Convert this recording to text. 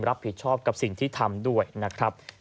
รับผิดชอบกับสิ่งที่ทำด้วยนะครับ